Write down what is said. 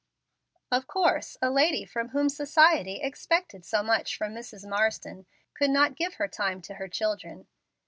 Of course, a lady from whom society expected so much as from Mrs. Marsden could not give her time to her children.